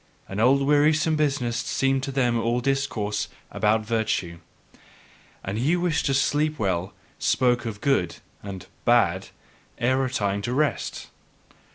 An old wearisome business seemed to them all discourse about virtue; and he who wished to sleep well spake of "good" and "bad" ere retiring to rest.